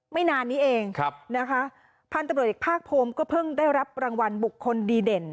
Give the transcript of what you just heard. ไม่นานนี้เองนะคะพันธุ์ตำรวจเอกภาคภูมิก็เพิ่งได้รับรางวัลบุคคลดีเด่น